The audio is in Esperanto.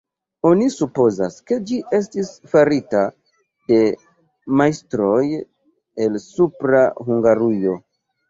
Oni supozas, ke ĝi estis farita de majstroj el Supra Hungarujo.